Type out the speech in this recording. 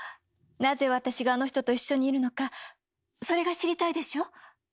なぜ私があの人と一緒にいるのかそれが知りたいでしょ？